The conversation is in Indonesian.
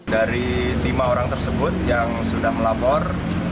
dari lima orang tersebut yang sudah melapor